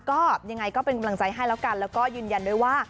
ก็ยังไงก็เป็นกำลังใจให้แล้วกันแล้วก็ยืนยันด้วยว่า